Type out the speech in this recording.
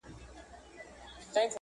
خاونده څه سول د ښار ښاغلي -